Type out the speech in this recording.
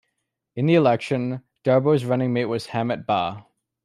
In the election, Darboe's running mate was Hamat Bah.